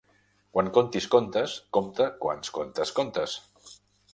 Quan contis contes compta quants contes contes.